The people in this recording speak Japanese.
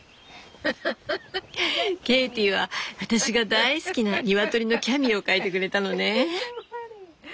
ケイティは私が大好きな鶏のキャミーを描いてくれたのね。